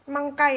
măng cây ạ